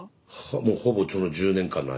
もうほぼその１０年間の間。